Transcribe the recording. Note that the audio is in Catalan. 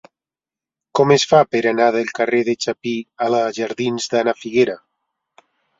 Com es fa per anar del carrer de Chapí a la jardins d'Ana Figuera?